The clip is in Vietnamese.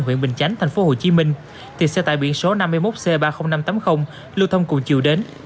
huyện bình chánh tp hcm thì xe tải biển số năm mươi một c ba mươi nghìn năm trăm tám mươi lưu thông cùng chiều đến